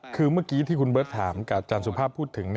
คือเมื่อกี้ที่คุณเบิร์ตถามกับอาจารย์สุภาพพูดถึง